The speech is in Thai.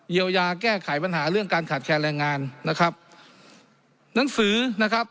เยียวยาแก้ไขปัญหาเรื่องการขาดแคลนแรงงานนะครับหนังสือนะครับ